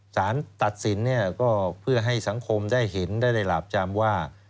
สารตัดสินเนี่ยก็เพื่อให้สังคมได้เห็นได้หลาบจำว่า